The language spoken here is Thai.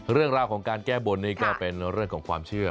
เรื่องราวของการแก้บนนี่ก็เป็นเรื่องของความเชื่อ